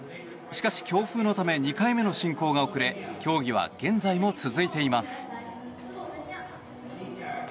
しかし強風のため２回目の進行が遅れ競技は現在も続いています。